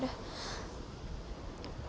berapa lama aku harus nunggu kamu mar